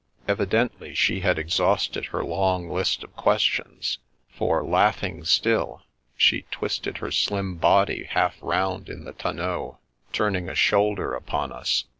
Evidently she had exhausted her long list of ques tions, for, laughing still, she twisted her slim body half round in the tonneau, turning a shoulder upon us.